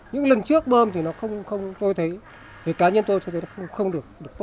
những lần trước bơm thì cá nhân tôi thấy nó không được tốt